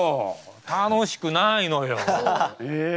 楽しくないのよ。え！